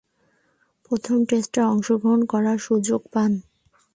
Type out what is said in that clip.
প্রথম টেস্টে অংশগ্রহণ করার সুযোগ পান।